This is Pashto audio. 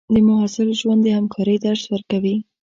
د محصل ژوند د همکارۍ درس ورکوي.